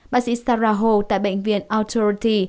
bác sĩ sarah ho tại bệnh viện authority